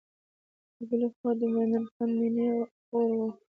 له بلې خوا د مومن خان مینې اور و.